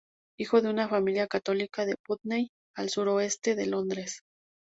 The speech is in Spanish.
Hijo de una familia católica de Putney, al suroeste de Londres.